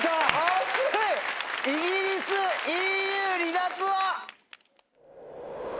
「イギリスＥＵ離脱」は？